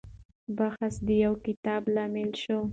بحث د يو کتاب لامل شو.